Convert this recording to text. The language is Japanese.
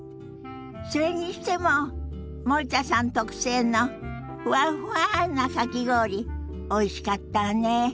それにしても森田さん特製のふわっふわなかき氷おいしかったわね。